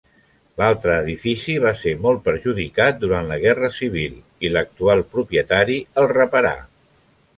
L'altre edifici va ser molt perjudicat durant la Guerra Civil, i l'actual propietari el reparà.